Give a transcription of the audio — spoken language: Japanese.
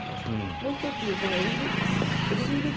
もう１つＬＧＢＴ